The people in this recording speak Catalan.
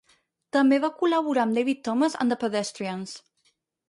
També va col·laborar amb David Thomas and the Pedestrians.